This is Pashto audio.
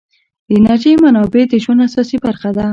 د انرژۍ منابع د ژوند اساسي برخه ده.